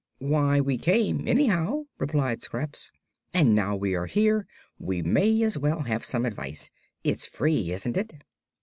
"Why, we came, anyhow," replied Scraps, "and now we are here we may as well have some advice. It's free, isn't it?"